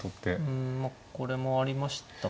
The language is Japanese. うんまあこれもありましたね。